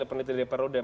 peneliti di perudem